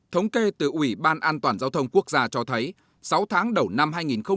thống kê từ ủy ban an toàn giao thông quốc gia cho thấy sáu tháng đầu năm hai nghìn một mươi chín